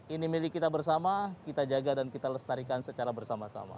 ini milik kita bersama kita jaga dan kita lestarikan secara bersama sama